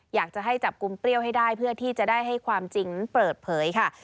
อยากจะให้จับกลุ่มเปรี้ยวให้ได้เพื่อที่จะได้ให้ความจริงนั้นเปิดเผยค่ะ